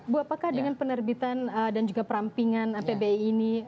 bu apakah dengan penerbitan dan juga perampingan apbi ini